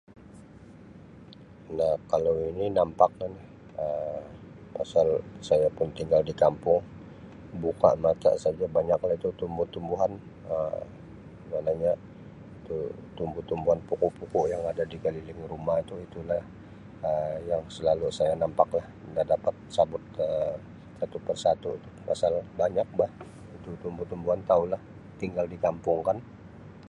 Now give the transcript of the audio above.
Nah kalau ini nampak ini Um pasal saya pun tinggal di kampung buka mata saja banyak lah itu tumbuh-tumbuhan Um maknanya itu tumbuh-tumbuhan pokok-pokok yang ada di keliling rumah itu itu lah Um yang selalu saya nampak lah nda dapat sabut Um satu persatu tu pasal banyak bah itu tumbuh- tumbuhan tau lah tinggal di kampung kan.